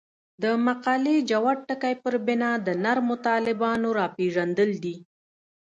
د مقالې جوت ټکی پر بنا د نرمو طالبانو راپېژندل دي.